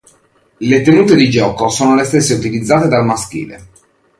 Le tenute di gioco sono le stesse utilizzate dal maschile.